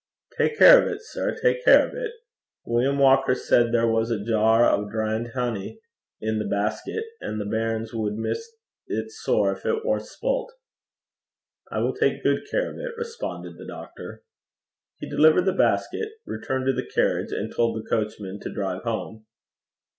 'Tak care o' 't, sir; tak care o' 't. William Walker said there was a jar o' drained hinney i' the basket; an' the bairns wad miss 't sair gin 't war spult.' 'I will take good care of it,' responded the doctor. He delivered the basket, returned to the carriage, and told the coachman to drive home.